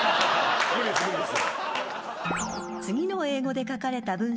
無理です無理です。